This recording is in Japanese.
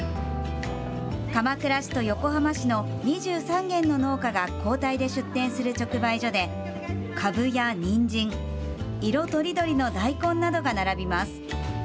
鎌倉市と横浜市の２３軒の農家が交代で出店する直売所でカブやにんじん、色とりどりの大根などが並びます。